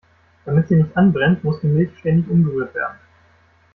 Damit sie nicht anbrennt, muss die Milch ständig umgerührt werden.